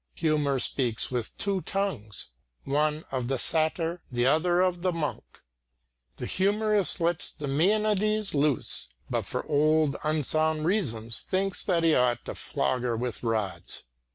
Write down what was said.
Humour speaks with two tongues, one of the satyr, the other of the monk. The humorist lets the mænad loose, but for old unsound reasons thinks that he ought to flog her with rods.